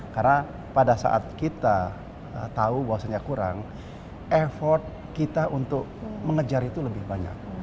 karena pada saat kita tahu bahwasannya kurang effort kita untuk mengejar itu lebih banyak